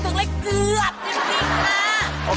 สวทิตย์ไม่ต้องพูดถึงอะไรเกือบจริงค่ะ